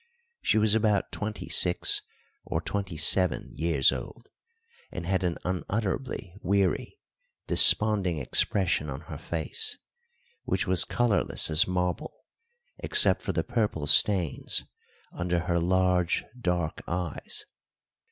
She was about twenty six or twenty seven years old, and had an unutterably weary, desponding expression on her face, which was colourless as marble, except for the purple stains under her large, dark eyes.